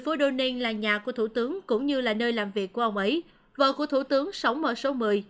phố doning là nhà của thủ tướng cũng như là nơi làm việc của ông ấy vợ của thủ tướng sống ở số một mươi